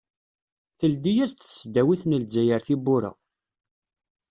Teldi-as-d tesdawit n Lezzayer tiwwura.